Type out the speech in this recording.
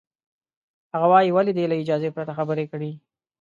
هغه وایي، ولې دې له اجازې پرته خبرې کړې؟